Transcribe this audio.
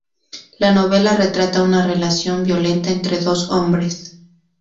La novela retrata una relación violenta entre dos hombres.